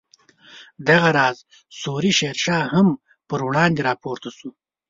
دغه راز سوري شیر شاه هم پر وړاندې راپورته شو.